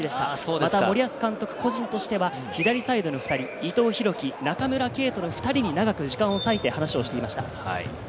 また森保監督個人としては左サイドの２人、伊藤洋輝、中村敬斗の２人に長く時間を割いて話をしていました。